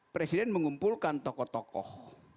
presiden mengumpulkan tokoh tokoh